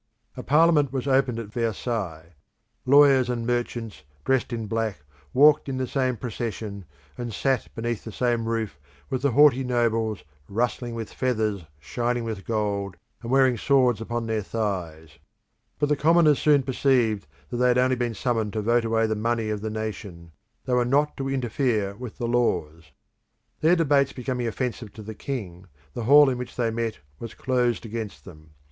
A Parliament was opened at Versailles; lawyers and merchants dressed in black walked in the same procession, and sat beneath the same roof with the haughty nobles, rustling with feathers, shining with gold, and wearing swords upon their thighs. But the commoners soon perceived that they had only been summoned to vote away the money of the nation; they were not to interfere with the laws. Their debates becoming offensive to the king, the hall in which they met was closed against them.